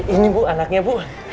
ini bu anaknya bu